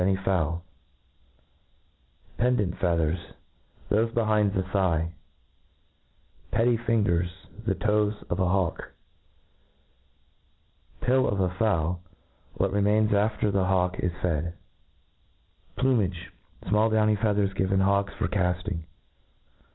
any fowl Pendant feathers J thofc behind the thigh Petty fingers ; the toes of a hawk Pill of a fowl } what remains after the hawk is fed '' Plumage ; fmall downy feathers given hawks for cafting.